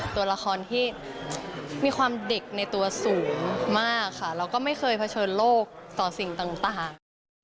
ตัวละครที่มีความเด็กในตัวสูงมากค่ะแล้วก็ไม่เคยเผชิญโลกต่อสิ่งต่าง